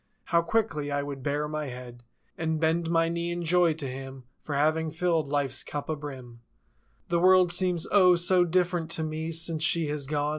How quickly I would bare my head And bend my knee in joy to Him For having filled Life's cup a brim. The world seems O, so different to me Since she has gone.